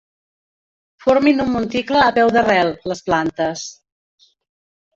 Formin un monticle a peu d'arrel, les plantes.